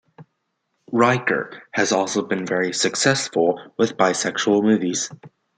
Ryker has also been very successful with bisexual movies.